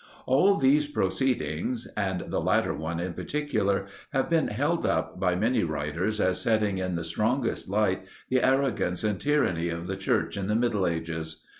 All these proceedings, and the latter one, in particular, have been held up, by many writers, as setting in the strongest light the arrogance and tyranny of the church in the middle ages.